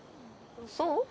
そう？